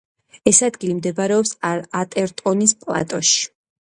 ეს ადგილი მდებარეობს ატერტონის პლატოში.